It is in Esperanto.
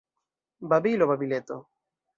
Babilo, babileto!